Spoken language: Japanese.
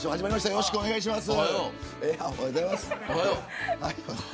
よろしくお願いします。